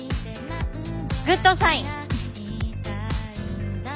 グッドサイン！